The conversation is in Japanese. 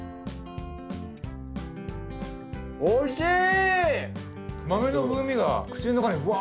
おいしい！